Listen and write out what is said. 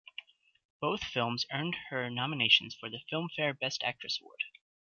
Both films earned her nominations for the Filmfare Best Actress Award.